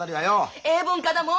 英文科だもん！